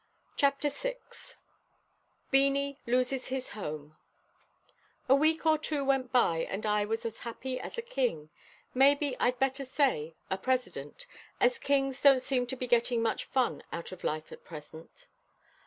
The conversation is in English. CHAPTER VI BEANIE LOSES HIS HOME A week or two went by, and I was as happy as a king maybe I'd better say a president, as kings don't seem to be getting much fun out of life at present.